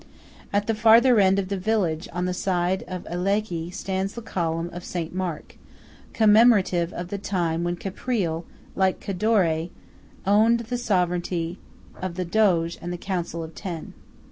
At the farther end of the village on the side of Alleghe stands the column of St. Mark, commemorative of the old time when Caprile, like Cadore, owned the sovereignty of the Doge and the Council of Ten.